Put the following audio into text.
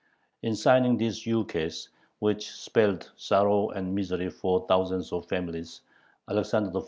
In signing this ukase, which spelled sorrow and misery for thousands of families, Alexander I.